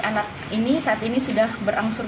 anak ini saat ini sudah berangsur